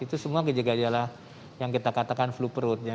itu semua gejala gejala yang kita katakan flu perut